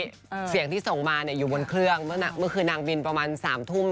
เสียงที่ส่งมาเนี่ยอยู่บนเครื่องเมื่อคืนนางบินประมาณสามทุ่ม